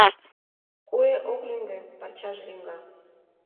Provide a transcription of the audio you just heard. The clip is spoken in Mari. Куэ ок лӱҥгӧ, парчаже лӱҥга.